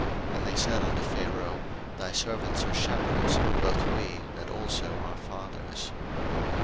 And they said unto Pharaoh, Thy servants are shepherds, both we, and also our fathers.